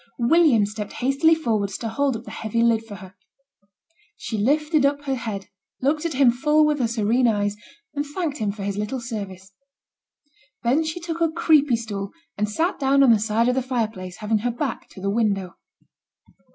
William stepped hastily forwards to hold up the heavy lid for her. She lifted up her head, looked at him full with her serene eyes, and thanked him for his little service. Then she took a creepie stool and sate down on the side of the fire place, having her back to the window.